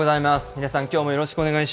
皆さん、きょうもよろしくお願い